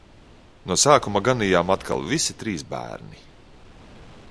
No sākuma ganījām atkal visi trīs bērni.